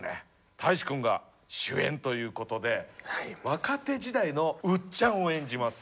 大志君が主演ということで若手時代のうっちゃんを演じます。